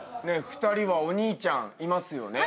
２人はお兄ちゃんいますよね。